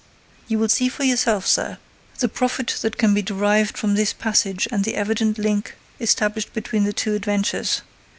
You will see for yourself, Sir, the profit that can be derived from this passage and the evident link established between the two adventures.